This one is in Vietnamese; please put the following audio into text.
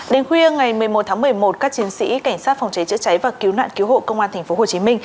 đến khuya ngày một mươi một tháng một mươi một các chiến sĩ cảnh sát phòng chế chữa cháy và cứu nạn cứu hộ công an tp hcm